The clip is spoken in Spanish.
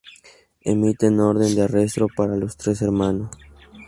Emiten orden de arresto para los tres hermanos.